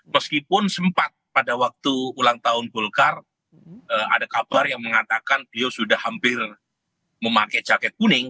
meskipun sempat pada waktu ulang tahun golkar ada kabar yang mengatakan beliau sudah hampir memakai jaket kuning